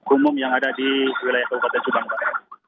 umum yang ada di wilayah kabupaten subang barat